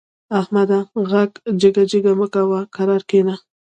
احمده! غره جګه جګه مه کوه؛ کرار کېنه.